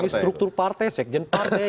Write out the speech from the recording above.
struktur partai sekjen partai